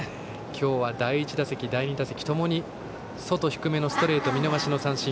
今日は第１打席、第２打席ともに外低めのストレートを見逃し三振。